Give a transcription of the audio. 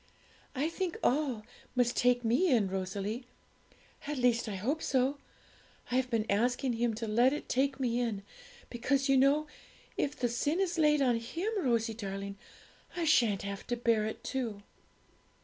I think "all" must take me in, Rosalie; at least I hope so. I have been asking Him to let it take me in, because, you know, if the sin is laid on Him, Rosie darling, I sha'n't have to bear it too.'